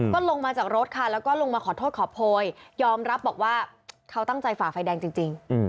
ก็ลงมาจากรถค่ะแล้วก็ลงมาขอโทษขอโพยยอมรับบอกว่าเขาตั้งใจฝ่าไฟแดงจริง